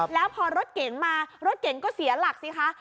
แล้วพอรถเก๋งมารถเก๋งก็เสียหลักสิคะ